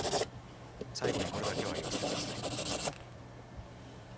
最後にこれだけは言わせてください。